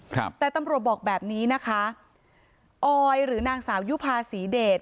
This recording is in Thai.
ครับแต่ตำรวจบอกแบบนี้นะคะออยหรือนางสาวยุภาษีเดช